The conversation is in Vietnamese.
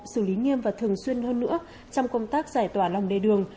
xử lý nghiêm và thường xuyên hơn nữa trong công tác giải tỏa lòng đề đường